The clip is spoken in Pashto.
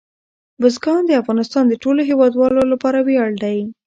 بزګان د افغانستان د ټولو هیوادوالو لپاره ویاړ دی.